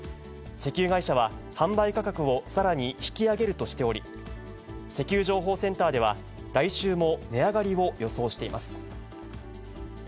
石油会社は販売価格をさらに引き上げるとしており、石油情報センターでは、来週も値上がりを予想しています。